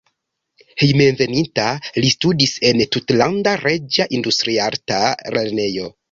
Hejmenveninta li studis en Tutlanda Reĝa Industriarta Lernejo.